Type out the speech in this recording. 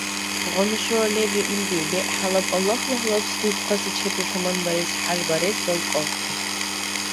Гъану шура лебри илди — бегӀ гьалаб Аллагьла гьалабси дурхъаси чебла таманбарес-хӀяж барес балкьаурти.